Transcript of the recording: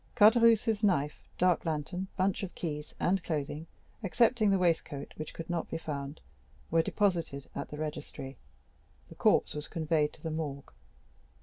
Caderousse's knife, dark lantern, bunch of keys, and clothing, excepting the waistcoat, which could not be found, were deposited at the registry; the corpse was conveyed to the morgue.